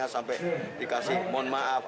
sampai dikasih mohon maaf